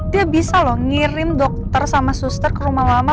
dia bisa loh ngirim dokter sama suster ke rumah lama